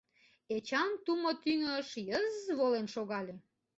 Эчан тумо тӱҥыш йыз-з волен шогале.